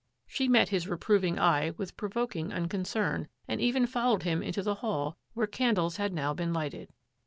She met his reproving eye with provoking uncon cern and even followed him into the hall, where candles had now been lighted.